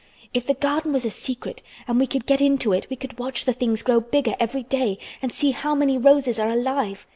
"If the garden was a secret and we could get into it we could watch the things grow bigger every day, and see how many roses are alive.